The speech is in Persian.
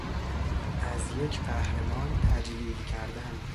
از یک قهرمان تجلیل کردن